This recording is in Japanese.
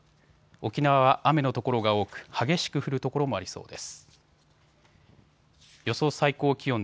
沖縄は雨の所が多く、激しく降る所もありそうです。